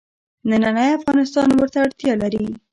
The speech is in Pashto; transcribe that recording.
نننی افغانستان ورته اړتیا لري.